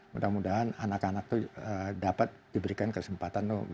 mudah mudahan anak anak itu dapat diberikan kesempatan